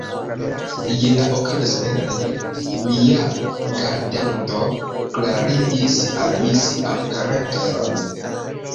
Je la oka vespere, mia gardanto klarigis al mi sian karakteron.